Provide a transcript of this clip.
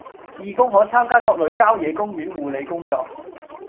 義工可參加各類郊野公園護理工作